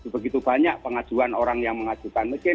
begitu banyak pengajuan orang yang mengajukan